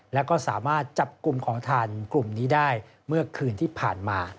แล้วก็สามารถจับกลุ่มของทานกลุ่มนี้ได้เมื่อคืนที่ผ่านมา